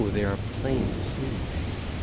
they are plain to see !